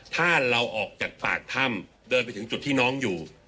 ถ้าเราออกจากปากถ้ำเดินไปถึงจุดที่น้องอยู่